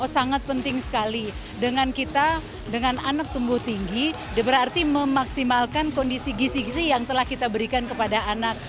sangat penting sekali dengan kita dengan anak tumbuh tinggi berarti memaksimalkan kondisi gisi gisi yang telah kita berikan kepada anak